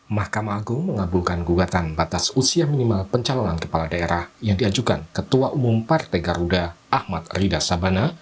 mahkamah agung mengabulkan gugatan batas usia minimal pencalonan kepala daerah yang diajukan ketua umum partai garuda ahmad rida sabana